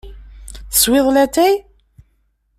Teswiḍ latay?